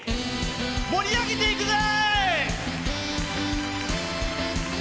盛り上げていくぜ！